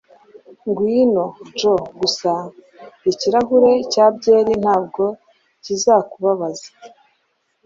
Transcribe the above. Ngwino, Joe. Gusa ikirahure cya byeri ntabwo bizakubabaza.